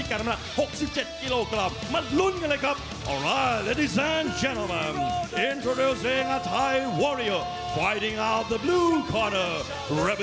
เจ้าแม่นขอบคุณครัวที่จะพบท่านทายทายวาเรียจุดขับเบลูกาเตอร์